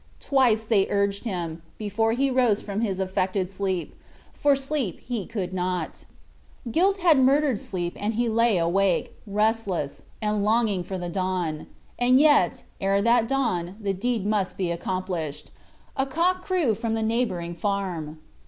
Twice they urged him, before he arose from his affected sleep for sleep he could not; guilt had "murdered sleep!" and he lay awake, restless, and longing for the dawn; and yet, ere that dawn, the deed must be accomplished! A cock crew from the neighboring farm.